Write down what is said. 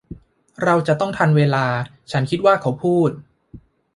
เราจะต้องทันเวลาฉันคิดว่าเขาพูด